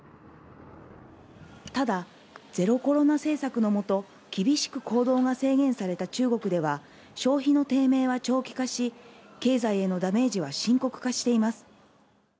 ただゼロコロナ政策のもと、厳しく行動が制限された中国では、消費の低迷は長期化し、経済へのダメージは深刻化しています。